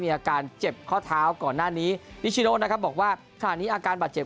มีอาการเจ็บข้อเท้าก่อนหน้านี้บอกว่าขณะนี้อาการบาดเจ็บ